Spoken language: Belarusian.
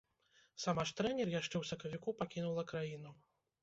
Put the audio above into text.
Сама ж трэнер яшчэ ў сакавіку пакінула краіну.